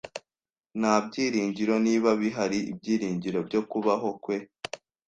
Nta byiringiro, niba bihari, ibyiringiro byo kubaho kwe.